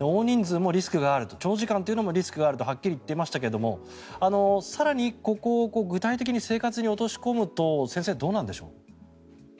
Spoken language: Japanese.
大人数、長時間もリスクあるとはっきり言っていましたが更に、ここを具体的に生活に落とし込むと先生どうなんでしょう？